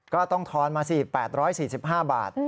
ก็ต้องทอนมาสิ๘๔๕บาท